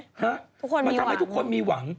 มันทำให้ทุกคนมีหวัง